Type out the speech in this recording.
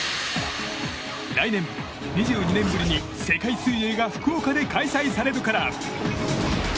来年、２２年ぶりに世界水泳が福岡で開催されるから。